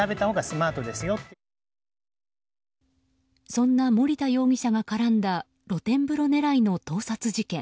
そんな森田容疑者が絡んだ露天風呂狙いの盗撮事件。